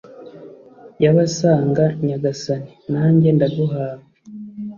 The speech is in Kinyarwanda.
y'abasanga nyagasani, nanjye ndaguhawe